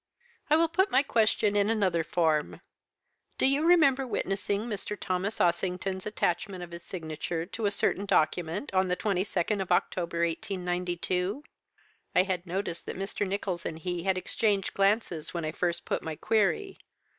"'I will put my question in another form. Do you remember witnessing Mr. Thomas Ossington's attachment of his signature to a certain document on the 22nd of October, 1892?' "I had noticed that Mr. Nicholls and he had exchanged glances when I first put my query.